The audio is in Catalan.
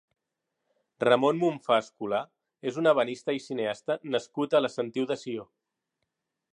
Ramon Monfà Escolà és un ebenista i cineasta nascut a la Sentiu de Sió.